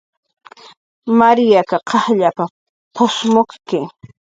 "Marya qajll p""usmukki"